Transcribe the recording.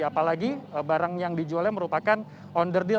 apalagi barang yang dijualnya merupakan onder deal